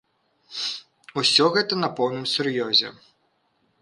Усё гэта на поўным сур'ёзе!